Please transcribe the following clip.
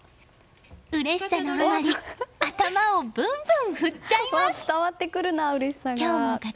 うれしさのあまり頭をぶんぶん振っちゃいます。